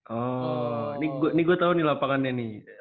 oh ini gue tau nih lapangannya nih